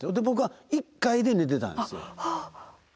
僕は１階で寝てたんですよ。